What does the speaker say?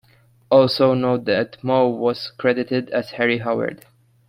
Also note that Moe was credited as Harry Howard.